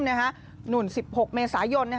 หนุ่น๑๖เมษายน